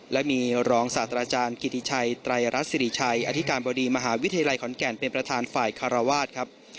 และมีรองศาสตราจารย์กิติชัยไตรรัฐสิริชัยอธิการบดีมหาวิทยาลัยขอนแก่นเป็นประธานฝ่ายคารวาสครับ